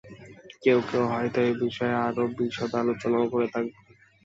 কেউ কেউ হয়তো এ-বিষয়ে আরও বিশদ আলোচনাও করে থাকবেন।